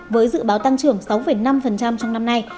với dự báo tăng trưởng sáu năm trong năm nay